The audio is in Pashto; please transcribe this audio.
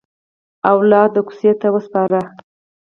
اولاد کوڅې ته وسپاره.